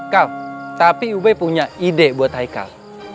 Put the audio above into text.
kal tapi ube punya ide buat hai kal